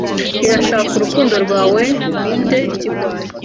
Irashaka urukundo rwawe ninde kigwari